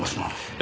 え？